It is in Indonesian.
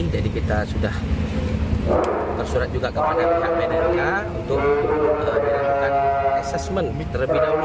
jadi kita sudah tersurat juga kepada pihak bnnk untuk dilakukan asesmen lebih dahulu